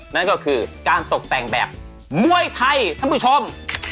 นั่นก็คือการตกแต่งแบบมวยไทยท่านผู้ชม